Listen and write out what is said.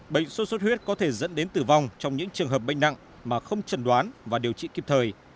bệnh sốt xuất huyết có thể dẫn đến tử vong trong những trường hợp bệnh nặng mà không trần đoán và điều trị kịp thời